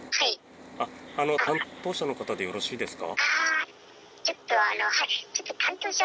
担当者の方でよろしいですか。